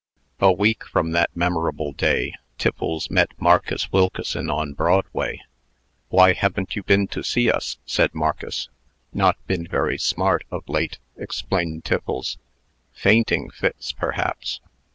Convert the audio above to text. A week from that memorable day, Tiffles met Marcus Wilkeson on Broadway. "Why haven't you been to see us?" said Marcus. "Not been very smart, of late," explained Tiffles. "Fainting fits, perhaps.